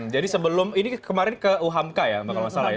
jadi sebelum ini kemarin ke umk ya kalau saya salah ya